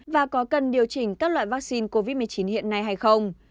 và có cần điều chỉnh các loại vaccine covid một mươi chín hiện nay hay không